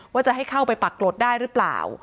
ว่าจะให้เข้าไปปรากฏได้หรือเปล่า